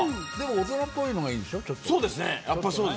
大人っぽいのがいいんでしょう。